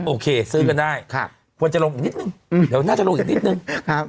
โอเคซื้อกันได้ครับควรจะลงอีกนิดนึงเดี๋ยวน่าจะลงอีกนิดนึงครับ